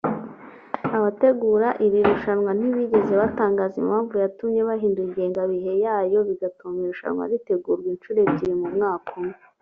Abategura iri rushanwa ntibigeze batangaza impamvu yatumye bahindura ingengabihe yabo bigatuma irushanwa ritegurwa inshuro ebyiri mu mwaka umwe